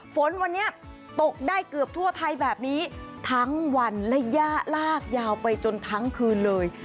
ฝนวันนี้ตกได้เกือบทั่วไทยแบบนี้ทั้งวันและย่าลากยาวไปจนทั้งคืนเลย